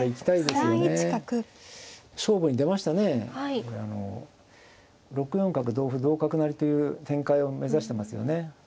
これあの６四角同歩同角成という展開を目指してますよね。